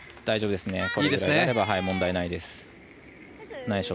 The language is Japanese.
大丈夫ですね。